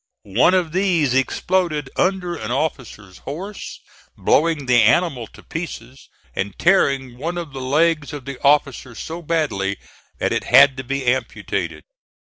One of these exploded under an officer's horse, blowing the animal to pieces and tearing one of the legs of the officer so badly that it had to be amputated.